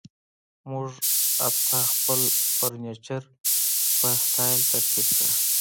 موږ حتی خپل فرنیچر په سټایل سره ترتیب کړ